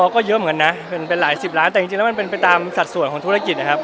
ก็เยอะเหมือนกันนะเป็นหลายสิบล้านแต่จริงแล้วมันเป็นไปตามสัดส่วนของธุรกิจนะครับ